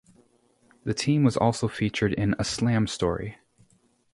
The team was also featured in a Slam story.